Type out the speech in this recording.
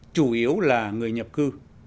chủ yếu là người nhập cư